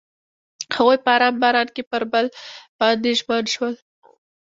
هغوی په آرام باران کې پر بل باندې ژمن شول.